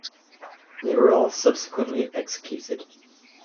They were all subsequently executed.